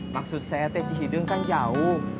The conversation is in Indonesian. maksud saya teh cihidung kan jauh